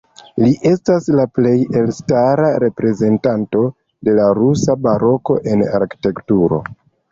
Li estas la plej elstara reprezentanto de la rusa baroko en arkitekturo.